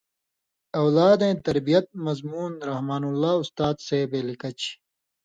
اؤلادَیں تربیت مضمون رحمان اللہ استا صېبے لِکہ چھی